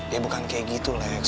ya bukan kayak gitu lex